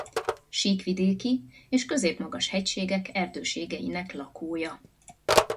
Síkvidéki és középmagas hegységek erdőségeinek lakója.